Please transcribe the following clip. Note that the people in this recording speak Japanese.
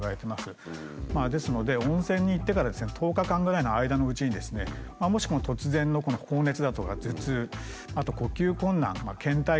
ですので温泉に行ってから１０日間ぐらいの間のうちにもしも突然の高熱だとか頭痛あと呼吸困難けん怠感ですね